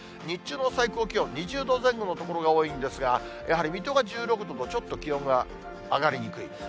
日中の最高気温、２０度前後の所が多いんですが、やはり水戸が１６度と、ちょっと気温が上がりにくい。